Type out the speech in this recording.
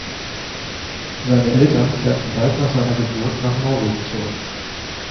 Seine Eltern kehrten bald nach seiner Geburt nach Norwegen zurück.